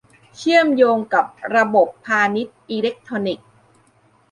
เชื่อมโยงกับระบบพาณิชย์อิเล็กทรอนิกส์